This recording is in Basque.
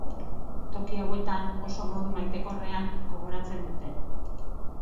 Toki hauetan oso modu maitekorrean gogoratzen dute.